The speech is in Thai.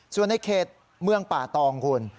ส่วนในเขตเมืองป่าตองคุณ